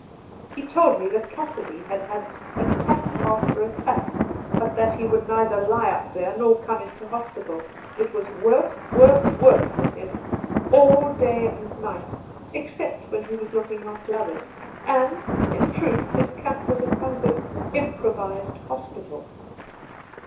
He told me that Cassidy had had attack after attack, but that he would neither lie up there nor come into hospital. It was work, work, work, Cassidy 153 with him, all day and night, except when he was looking after others — and, in truth, his camp was a kind of improvised hospital.